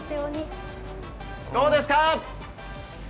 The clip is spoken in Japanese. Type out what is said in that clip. どうですか？